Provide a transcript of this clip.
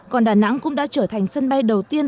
còn đà nẵng cũng đã trở thành sân bay đầu tiên